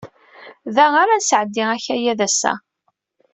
Da ara nesɛeddi akayad ass-a.